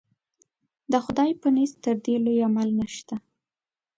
د خدای په نزد تر دې لوی عمل نشته.